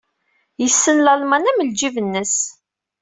Yessen Lalman am ljib-nnes.